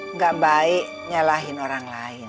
nggak baik nyalahin orang lain